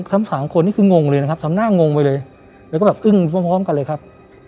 ทั้งสามคนนี่คืองงเลยนะครับทำหน้างงไปเลยแล้วก็แบบอึ้งพร้อมกันเลยครับ